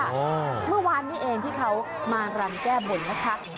เมื่อวานนี้เองที่เขามารำแก้บนนะคะ